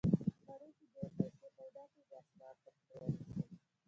غریب چې دوې پیسې پیدا کړي، بیا اسمان ته پښې و نیسي.